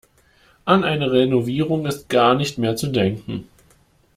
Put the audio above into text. An eine Renovierung ist gar nicht mehr zu denken.